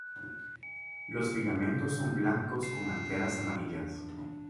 Los filamentos son blancos con anteras amarillas.